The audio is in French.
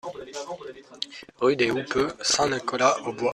Rue des Houppeux, Saint-Nicolas-aux-Bois